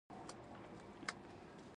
هغې د زړه له کومې د یادونه ستاینه هم وکړه.